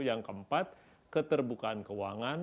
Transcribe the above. yang keempat keterbukaan keuangan